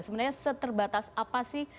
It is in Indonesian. sebenarnya seterbatas apa sih